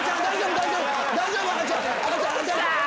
大丈夫⁉ダ！